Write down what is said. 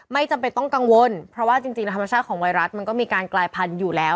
ไม่จำเป็นต้องกังวลเพราะว่าจริงธรรมชาติของไวรัสมันก็มีการกลายพันธุ์อยู่แล้ว